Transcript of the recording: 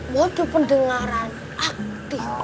waduh pendengaran aktif